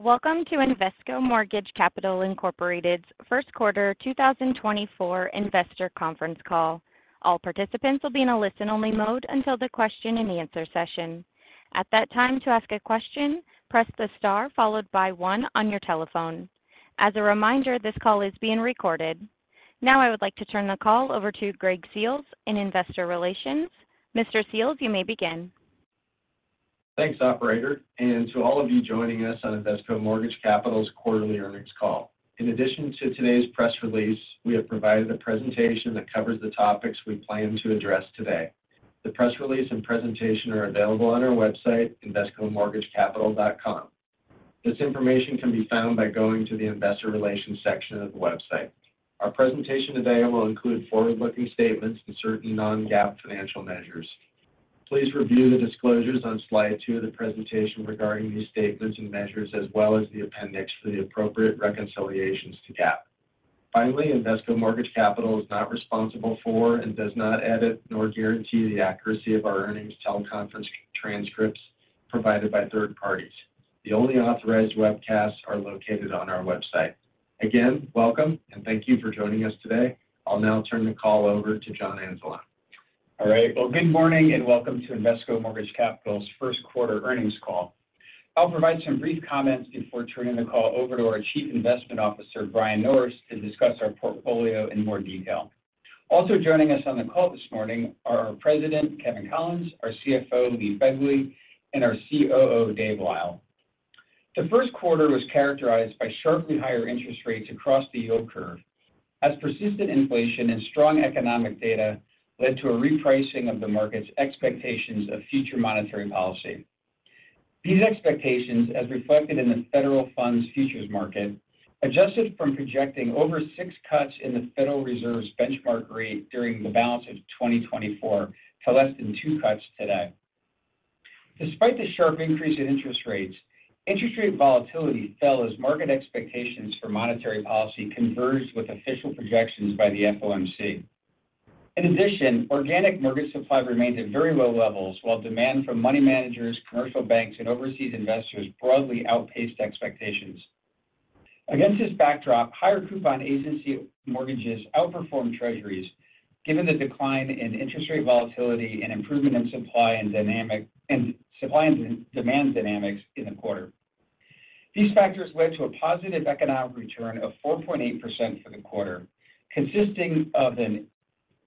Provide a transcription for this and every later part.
Welcome to Invesco Mortgage Capital Incorporated's first quarter 2024 investor conference call. All participants will be in a listen-only mode until the question and answer session. At that time, to ask a question, press the star followed by one on your telephone. As a reminder, this call is being recorded. Now, I would like to turn the call over to Greg Seals in Investor Relations. Mr. Seals, you may begin. Thanks, operator, and to all of you joining us on Invesco Mortgage Capital's quarterly earnings call. In addition to today's press release, we have provided a presentation that covers the topics we plan to address today. The press release and presentation are available on our website, invescomortgagecapital.com. This information can be found by going to the Investor Relations section of the website. Our presentation today will include forward-looking statements and certain non-GAAP financial measures. Please review the disclosures on slide two of the presentation regarding these statements and measures, as well as the appendix for the appropriate reconciliations to GAAP. Finally, Invesco Mortgage Capital is not responsible for and does not edit nor guarantee the accuracy of our earnings teleconference transcripts provided by third parties. The only authorized webcasts are located on our website. Again, welcome, and thank you for joining us today. I'll now turn the call over to John Anzalone. All right. Well, good morning, and welcome to Invesco Mortgage Capital's first quarter earnings call. I'll provide some brief comments before turning the call over to our Chief Investment Officer, Brian Norris, to discuss our portfolio in more detail. Also joining us on the call this morning are our President, Kevin Collins, our CFO, Lee Phegley, and our COO, Dave Lyle. The first quarter was characterized by sharply higher interest rates across the yield curve, as persistent inflation and strong economic data led to a repricing of the market's expectations of future monetary policy. These expectations, as reflected in the Federal Funds futures market, adjusted from projecting over six cuts in the Federal Reserve's benchmark rate during the balance of 2024 to less than two cuts today. Despite the sharp increase in interest rates, interest rate volatility fell as market expectations for monetary policy converged with official projections by the FOMC. In addition, organic mortgage supply remained at very low levels, while demand from money managers, commercial banks, and overseas investors broadly outpaced expectations. Against this backdrop, higher coupon Agency mortgages outperformed Treasuries, given the decline in interest rate volatility and improvement in supply and demand dynamics in the quarter. These factors led to a positive economic return of 4.8% for the quarter, consisting of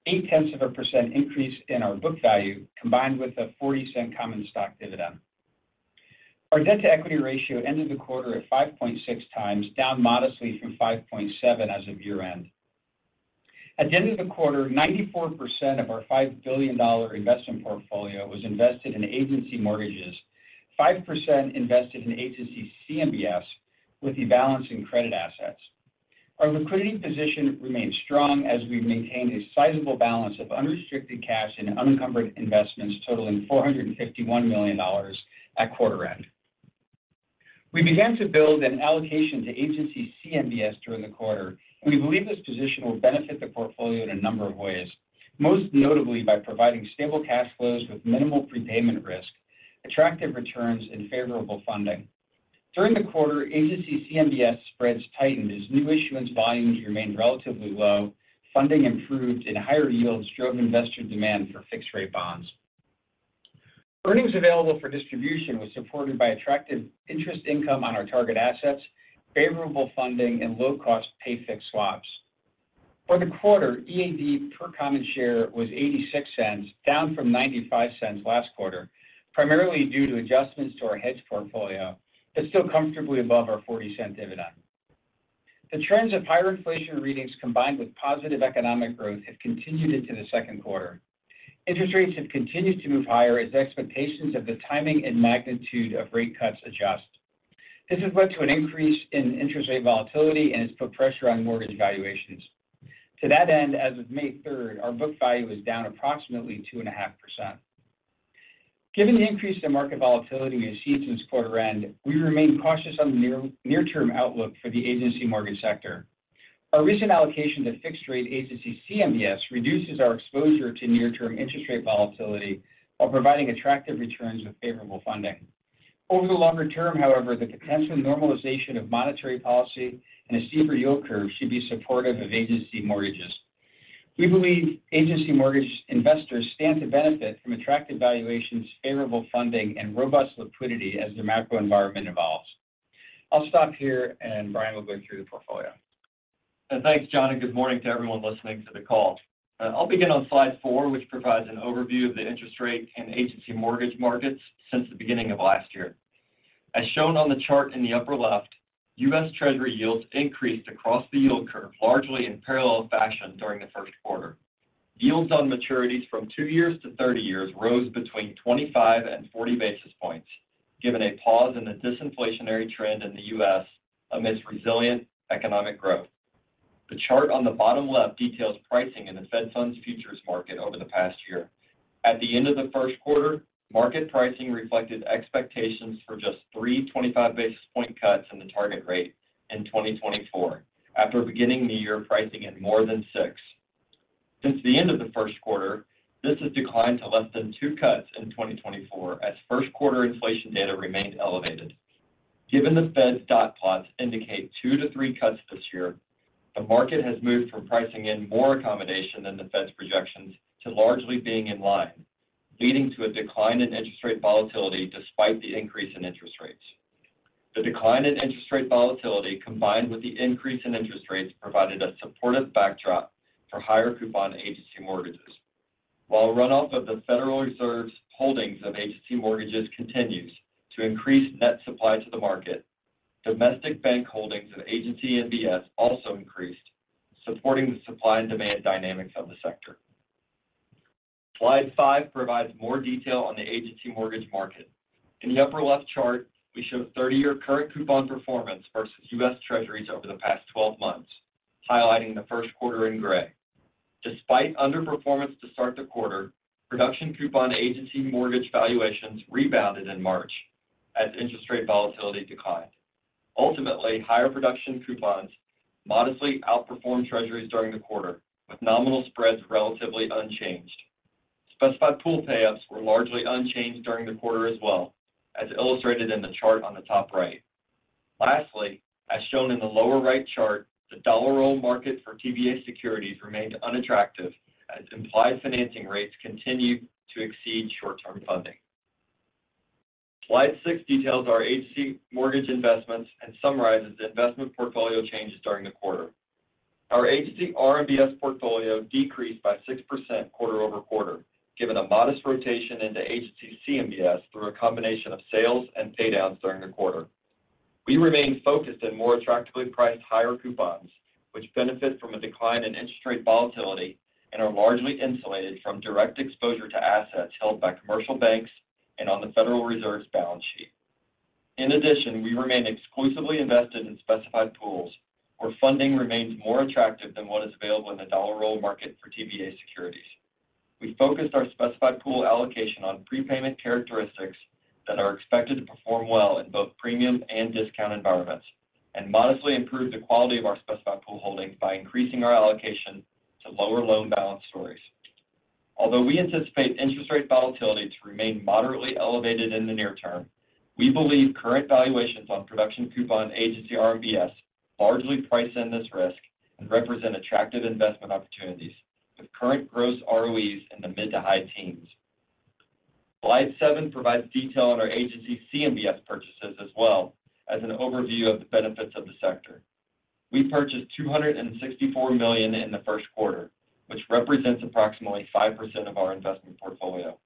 a 0.8% increase in our book value, combined with a $0.40 common stock dividend. Our debt-to-equity ratio ended the quarter at 5.6 times, down modestly from 5.7 as of year-end. At the end of the quarter, 94% of our $5 billion investment portfolio was invested in Agency mortgages, 5% invested in Agency CMBS, with the balance in credit assets. Our liquidity position remains strong as we've maintained a sizable balance of unrestricted cash and unencumbered investments totaling $451 million at quarter end. We began to build an allocation to Agency CMBS during the quarter, and we believe this position will benefit the portfolio in a number of ways, most notably by providing stable cash flows with minimal prepayment risk, attractive returns and favorable funding. During the quarter, Agency CMBS spreads tightened as new issuance volumes remained relatively low, funding improved and higher yields drove investor demand for fixed-rate bonds. Earnings Available for Distribution was supported by attractive interest income on our target assets, favorable funding and low-cost pay-fixed swaps. For the quarter, EAD per common share was $0.86, down from $0.95 last quarter, primarily due to adjustments to our hedge portfolio, but still comfortably above our $0.40 dividend. The trends of higher inflation readings, combined with positive economic growth, have continued into the second quarter. Interest rates have continued to move higher as expectations of the timing and magnitude of rate cuts adjust. This has led to an increase in interest rate volatility and has put pressure on mortgage valuations. To that end, as of May 3rd, our book value is down approximately 2.5%. Given the increase in market volatility we have seen since quarter end, we remain cautious on the near-term outlook for the Agency mortgage sector. Our recent allocation to fixed-rate Agency CMBS reduces our exposure to near-term interest rate volatility while providing attractive returns with favorable funding. Over the longer term, however, the potential normalization of monetary policy and a steeper yield curve should be supportive of agency mortgages. We believe agency mortgage investors stand to benefit from attractive valuations, favorable funding and robust liquidity as the macro environment evolves. I'll stop here, and Brian will go through the portfolio. Thanks, John, and good morning to everyone listening to the call. I'll begin on slide four, which provides an overview of the interest rate in agency mortgage markets since the beginning of last year. As shown on the chart in the upper left, U.S. Treasury yields increased across the yield curve, largely in parallel fashion during the first quarter. Yields on maturities from 2 years to 30 years rose between 25 and 40 basis points, given a pause in the disinflationary trend in the U.S. amidst resilient economic growth. The chart on the bottom left details pricing in the Fed Funds Futures market over the past year. At the end of the first quarter, market pricing reflected expectations for just three 25 basis point cuts in the target rate in 2024, after beginning the year pricing at more than six.... Since the end of the first quarter, this has declined to less than two cuts in 2024 as first quarter inflation data remained elevated. Given the Fed's dot plots indicate 2-3 cuts this year, the market has moved from pricing in more accommodation than the Fed's projections to largely being in line, leading to a decline in interest rate volatility despite the increase in interest rates. The decline in interest rate volatility, combined with the increase in interest rates, provided a supportive backdrop for higher coupon agency mortgages. While runoff of the Federal Reserve's holdings of agency mortgages continues to increase net supply to the market, domestic bank holdings of Agency MBS also increased, supporting the supply and demand dynamics of the sector. Slide five provides more detail on the agency mortgage market. In the upper left chart, we show 30-year current coupon performance versus U.S. Treasuries over the past 12 months, highlighting the first quarter in gray. Despite underperformance to start the quarter, production coupon agency mortgage valuations rebounded in March as interest rate volatility declined. Ultimately, higher production coupons modestly outperformed Treasuries during the quarter, with nominal spreads relatively unchanged. Specified pool payups were largely unchanged during the quarter as well, as illustrated in the chart on the top right. Lastly, as shown in the lower right chart, the dollar roll market for TBA securities remained unattractive as implied financing rates continued to exceed short-term funding. Slide six details our agency mortgage investments and summarizes investment portfolio changes during the quarter. Our Agency RMBS portfolio decreased by 6% quarter-over-quarter, given a modest rotation into Agency CMBS through a combination of sales and paydowns during the quarter. We remain focused in more attractively priced higher coupons, which benefit from a decline in interest rate volatility and are largely insulated from direct exposure to assets held by commercial banks and on the Federal Reserve's balance sheet. In addition, we remain exclusively invested in Specified Pools, where funding remains more attractive than what is available in the dollar roll market for TBA securities. We focused our specified pool allocation on prepayment characteristics that are expected to perform well in both premium and discount environments, and modestly improved the quality of our specified pool holdings by increasing our allocation to lower loan balance stories. Although we anticipate interest rate volatility to remain moderately elevated in the near term, we believe current valuations on production coupon agency RMBS largely price in this risk and represent attractive investment opportunities, with current gross ROEs in the mid to high teens. Slide seven provides detail on our Agency CMBS purchases as well as an overview of the benefits of the sector. We purchased $264 million in the first quarter, which represents approximately 5% of our investment portfolio.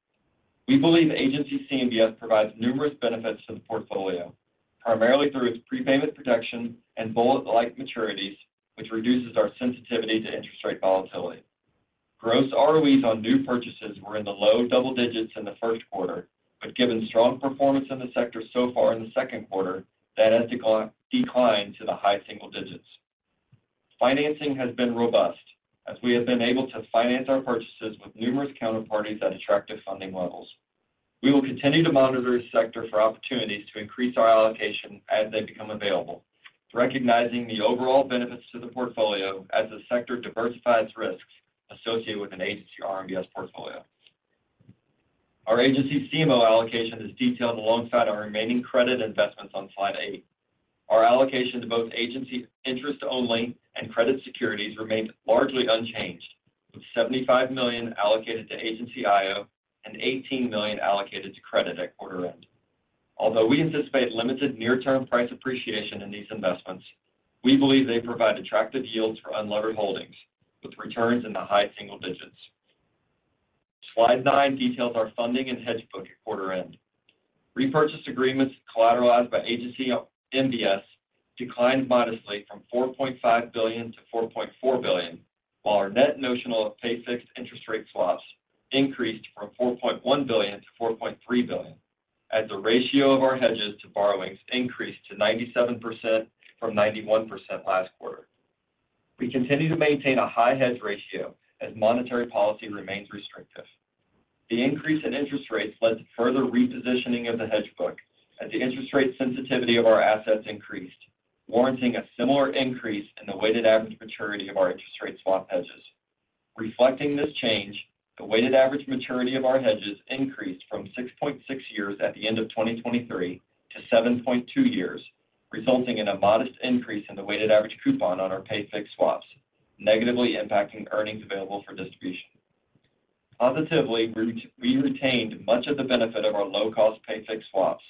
We believe Agency CMBS provides numerous benefits to the portfolio, primarily through its prepayment protection and bullet-like maturities, which reduces our sensitivity to interest rate volatility. Gross ROEs on new purchases were in the low double digits in the first quarter, but given strong performance in the sector so far in the second quarter, that has declined to the high single digits. Financing has been robust, as we have been able to finance our purchases with numerous counterparties at attractive funding levels. We will continue to monitor this sector for opportunities to increase our allocation as they become available, recognizing the overall benefits to the portfolio as the sector diversifies risks associated with an agency RMBS portfolio. Our Agency CMO allocation is detailed alongside our remaining credit investments on slide eight. Our allocation to both Agency interest only and credit securities remains largely unchanged, with $75 million allocated to Agency IO and $18 million allocated to credit at quarter end. Although we anticipate limited near-term price appreciation in these investments, we believe they provide attractive yields for unlevered holdings, with returns in the high single digits. Slide nine details our funding and hedge book at quarter end. Repurchase agreements collateralized by agency MBS declined modestly from $4.5 billion to $4.4 billion, while our net notional of pay fixed interest rate swaps increased from $4.1 billion to $4.3 billion, as the ratio of our hedges to borrowings increased to 97% from 91% last quarter. We continue to maintain a high hedge ratio as monetary policy remains restrictive. The increase in interest rates led to further repositioning of the hedge book as the interest rate sensitivity of our assets increased, warranting a similar increase in the weighted average maturity of our interest rate swap hedges. Reflecting this change, the weighted average maturity of our hedges increased from 6.6 years at the end of 2023 to 7.2 years, resulting in a modest increase in the weighted average coupon on our pay fixed swaps, negatively impacting earnings available for distribution. Positively, we retained much of the benefit of our low-cost pay fixed swaps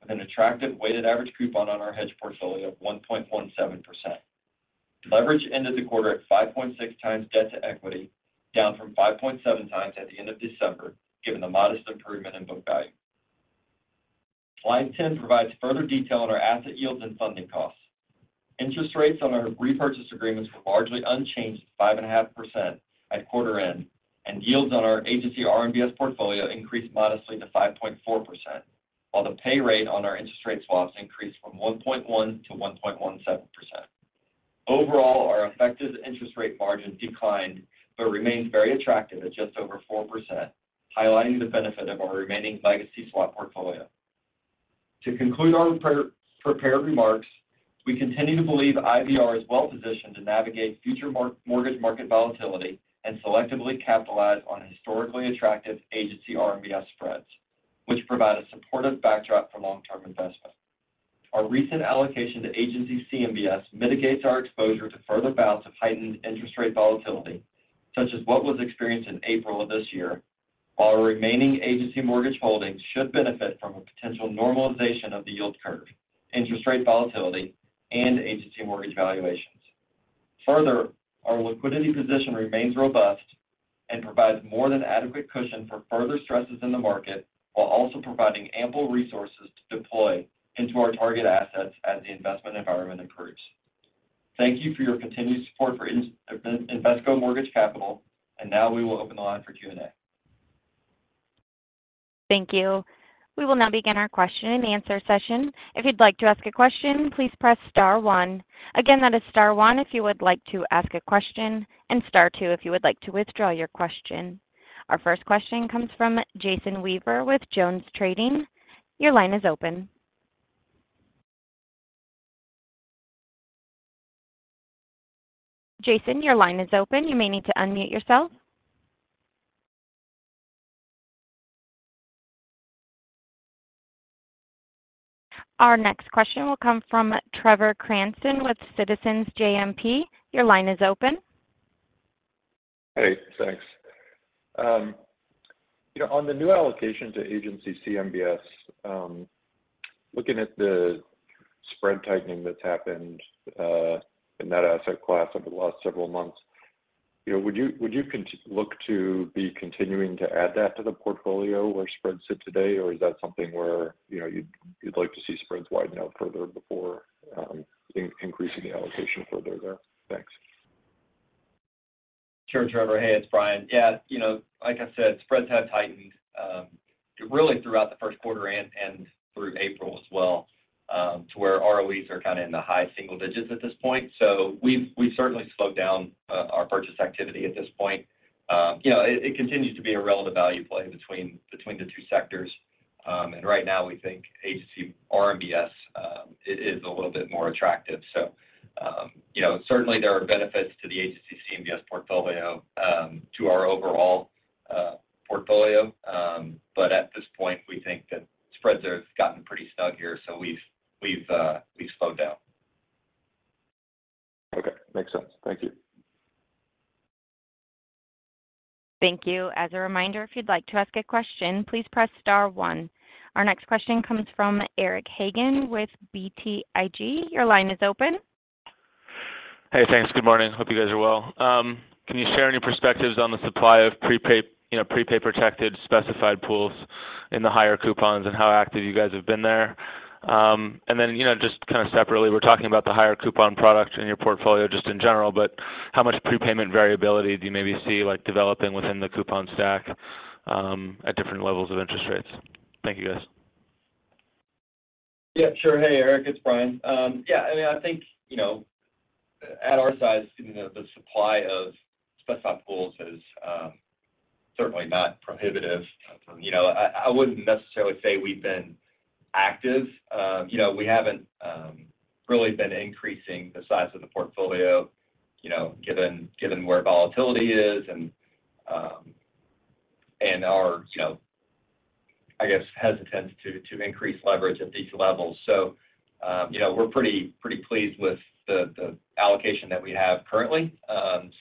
with an attractive weighted average coupon on our hedge portfolio of 1.17%. Leverage ended the quarter at 5.6x debt-to-equity, down from 5.7x at the end of December, given the modest improvement in book value. Slide 10 provides further detail on our asset yields and funding costs. Interest rates on our repurchase agreements were largely unchanged at 5.5% at quarter end, and yields on our agency RMBS portfolio increased modestly to 5.4%, while the pay rate on our interest rate swaps increased from 1.1% to 1.17%. Overall, our effective interest rate margin declined but remains very attractive at just over 4%, highlighting the benefit of our remaining legacy swap portfolio.... To conclude our pre-prepared remarks, we continue to believe IVR is well-positioned to navigate future mortgage market volatility and selectively capitalize on historically attractive agency RMBS spreads, which provide a supportive backdrop for long-term investment. Our recent allocation to Agency CMBS mitigates our exposure to further bouts of heightened interest rate volatility, such as what was experienced in April of this year, while our remaining agency mortgage holdings should benefit from a potential normalization of the yield curve, interest rate volatility, and agency mortgage valuations. Further, our liquidity position remains robust and provides more than adequate cushion for further stresses in the market, while also providing ample resources to deploy into our target assets as the investment environment improves. Thank you for your continued support for Invesco Mortgage Capital, and now we will open the line for Q&A. Thank you. We will now begin our question and answer session. If you'd like to ask a question, please press star one. Again, that is star one if you would like to ask a question, and star two if you would like to withdraw your question. Our first question comes from Jason Weaver with JonesTrading. Your line is open. Jason, your line is open. You may need to unmute yourself. Our next question will come from Trevor Cranston with Citizens JMP. Your line is open. Hey, thanks. You know, on the new allocation to Agency CMBS, looking at the spread tightening that's happened in that asset class over the last several months, you know, would you look to be continuing to add that to the portfolio where spreads sit today? Or is that something where, you know, you'd like to see spreads widen out further before increasing the allocation further there? Thanks. Sure, Trevor. Hey, it's Brian. Yeah, you know, like I said, spreads have tightened really throughout the first quarter and through April as well to where ROEs are kind of in the high single digits at this point. So we've certainly slowed down our purchase activity at this point. You know, it continues to be a relative value play between the two sectors. And right now, we think Agency RMBS is a little bit more attractive. So you know, certainly there are benefits to the Agency CMBS portfolio to our overall portfolio. But at this point, we think that spreads have gotten pretty snug here, so we've slowed down. Okay, makes sense. Thank you. Thank you. As a reminder, if you'd like to ask a question, please press star one. Our next question comes from Eric Hagan with BTIG. Your line is open. Hey, thanks. Good morning. Hope you guys are well. Can you share any perspectives on the supply of prepay, you know, prepay protected specified pools in the higher coupons, and how active you guys have been there? And then, you know, just kind of separately, we're talking about the higher coupon products in your portfolio, just in general, but how much prepayment variability do you maybe see, like, developing within the coupon stack, at different levels of interest rates? Thank you, guys. Yeah, sure. Hey, Eric, it's Brian. Yeah, I mean, I think, you know, at our size, you know, the supply of Specified Pools is certainly not prohibitive. You know, I wouldn't necessarily say we've been active. You know, we haven't really been increasing the size of the portfolio, you know, given where volatility is and we're, you know, I guess, hesitant to increase leverage at these levels. So, you know, we're pretty pleased with the allocation that we have currently,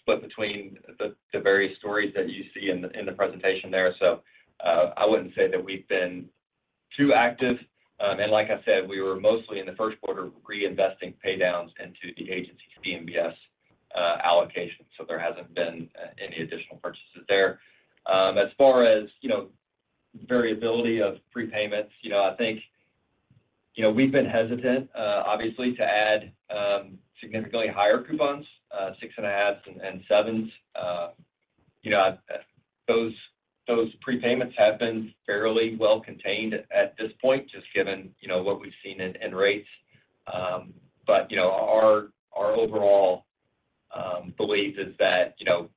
split between the various stories that you see in the presentation there. So, I wouldn't say that we've been too active. And like I said, we were mostly in the first quarter of reinvesting paydowns into the Agency CMBS allocation, so there hasn't been any additional purchases there. As far as, you know, variability of prepayments, you know, I think, you know, we've been hesitant, obviously, to add significantly higher coupons, 6.5s and 7s. You know, those prepayments have been fairly well contained at this point, just given, you know, what we've seen in rates. But, you know, our overall belief is that, you know,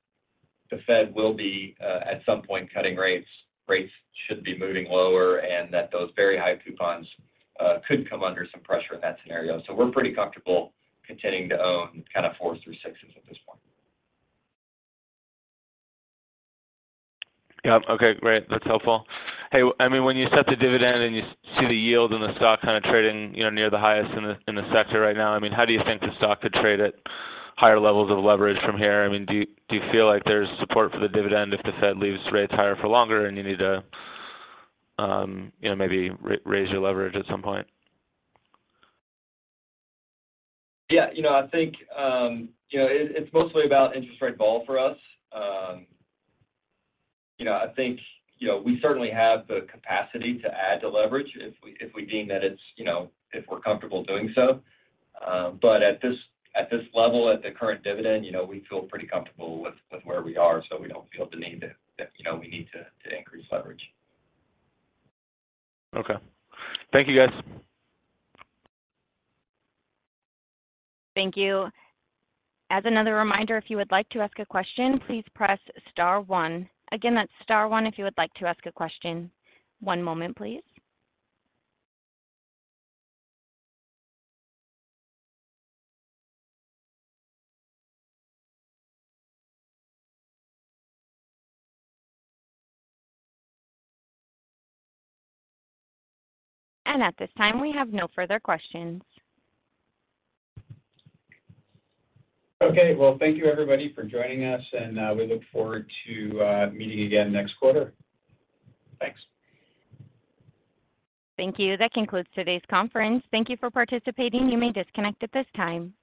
the Fed will be, at some point, cutting rates. Rates should be moving lower, and that those very high coupons could come under some pressure in that scenario. So we're pretty comfortable continuing to own kind of 4s through 6s at this point. Yep. Okay, great. That's helpful. Hey, I mean, when you set the dividend and you see the yield and the stock kind of trading, you know, near the highest in the sector right now, I mean, how do you think the stock could trade at higher levels of leverage from here? I mean, do you feel like there's support for the dividend if the Fed leaves rates higher for longer and you need to, you know, maybe raise your leverage at some point? Yeah, you know, I think it's mostly about interest rate vol for us. You know, I think, you know, we certainly have the capacity to add to leverage if we deem that it's, you know, if we're comfortable doing so. But at this level, at the current dividend, you know, we feel pretty comfortable with where we are, so we don't feel the need to, you know, we need to increase leverage. Okay. Thank you, guys. Thank you. As another reminder, if you would like to ask a question, please press star one. Again, that's star one if you would like to ask a question. One moment, please. At this time, we have no further questions. Okay. Well, thank you, everybody, for joining us, and we look forward to meeting again next quarter. Thanks. Thank you. That concludes today's conference. Thank you for participating. You may disconnect at this time.